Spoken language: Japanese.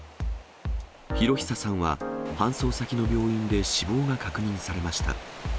裕久さんは搬送先の病院で死亡が確認されました。